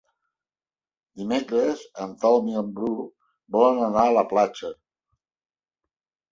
Dimecres en Telm i en Bru volen anar a la platja.